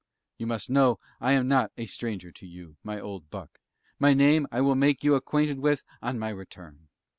You must know I am not a stranger to you, my old buck my name I will make you acquainted with on my return.